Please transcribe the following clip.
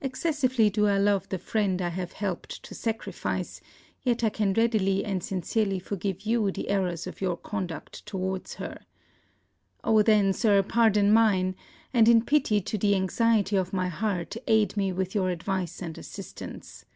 Excessively do I love the friend I have helped to sacrifice, yet I can readily and sincerely forgive you the errors of your conduct towards her. Oh then, Sir, pardon mine, and in pity to the anxiety of my heart aid me with your advice and assistance.